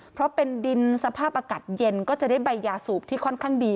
เพราะเป็นดินสภาพอากาศเย็นก็จะได้ใบยาสูบที่ค่อนข้างดี